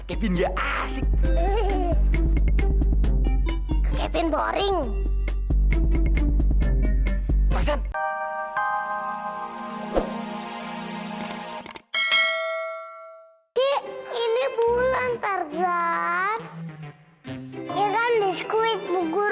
enak nih dimakan nih